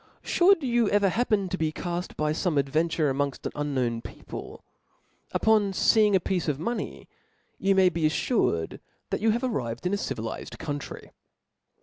Should you ever happen to be call by fome ad venture amongft an unknown people , upon feeing a piece of money, you may be aflured, that you are arrived in a civilized country.